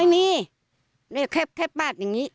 ไม่มีนี่แคบปาดอย่างนี้